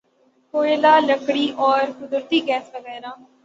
کوئلہ لکڑی اور قدرتی گیس وغیرہ